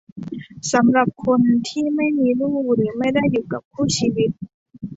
สำหรับคนที่ไม่มีลูกหรือไม่ได้อยู่กับคู่ชีวิต